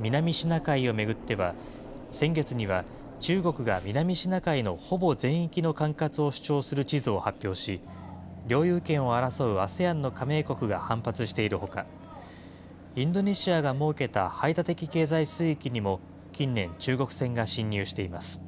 南シナ海を巡っては、先月には中国が南シナ海のほぼ全域の管轄を主張する地図を発表し、領有権を争うＡＳＥＡＮの加盟国が反発しているほか、インドネシアが設けた排他的経済水域にも、近年、中国船が侵入しています。